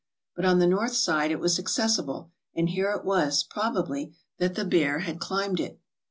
But on the north side it was accessible, and here it was, probably, that the bear had climbed it.